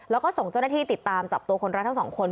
แล้วก็ส่งเจ้าระที่ติดตามจับตัวกลรทั้ง๒คน